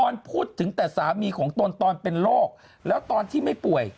พูดถึงแต่สามีของตนตอนเป็นโรคแล้วตอนที่ไม่ป่วย